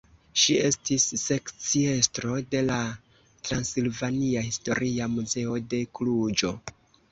Ŝi estis sekciestro de la Transilvania Historia Muzeo de Kluĵo.